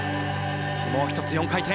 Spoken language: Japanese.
もう１つ４回転。